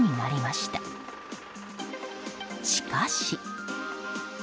しかし。